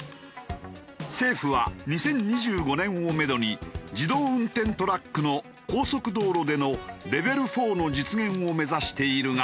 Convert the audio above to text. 政府は２０２５年をめどに自動運転トラックの高速道路でのレベル４の実現を目指しているが。